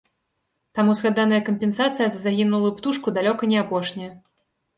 Таму згаданая кампенсацыя за загінулую птушку далёка не апошняя.